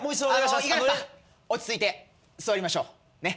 イガラシさん落ち着いて座りましょうねっ。